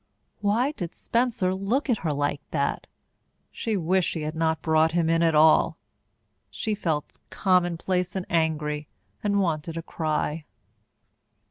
Why did Spencer look at her like that? She wished she had not brought him in at all. She felt commonplace and angry, and wanted to cry.